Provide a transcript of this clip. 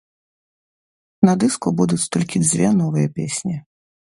На дыску будуць толькі дзве новыя песні.